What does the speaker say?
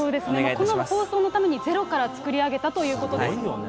この放送のためにゼロから作り上げたということですもんね。